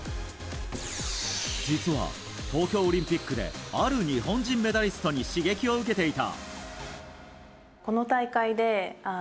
実は東京オリンピックである日本人メダリストに刺激を受けていた。